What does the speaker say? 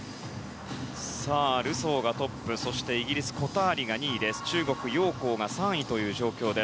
ルソーがトップイギリス、コターリが２位中国、ヨウ・コウが３位という状況。